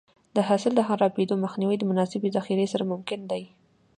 د حاصل د خرابېدو مخنیوی د مناسبې ذخیرې سره ممکن دی.